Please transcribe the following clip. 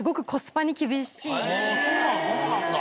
そうなんだ。